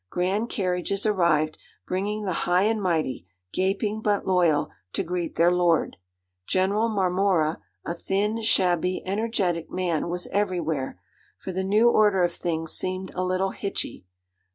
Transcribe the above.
Grand carriages arrived, bringing the high and mighty, gaping but loyal, to greet their lord. General Marmora a thin, shabby, energetic man was everywhere; for the new order of things seemed a little hitchy.